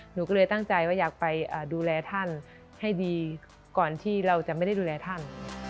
หนูก็เลยตั้งใจว่าอยากไปดูแลท่านให้ดีก่อนที่เราจะไม่ได้ดูแลท่าน